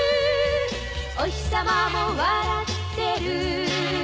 「おひさまも笑ってる」